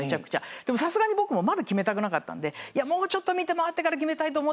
でもさすがに僕もまだ決めたくなかったんでもうちょっと見て回ってから決めたいと思ってるんですよね。